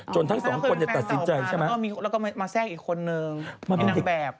จนทั้งสองคนจะตัดสินใจใช่ไหมอ๋อมันเคยเป็นแฟนต่อออกมาแล้วก็มาแทรกอีกคนนึงเป็นนักแบบ